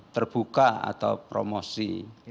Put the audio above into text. terbuka atau promosi